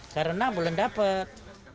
karena belum dapat